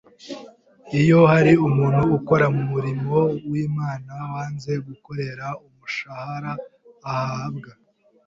Iyo hari umuntu ukora mu murimo w’Imana wanze gukorera umushahara ahabwa,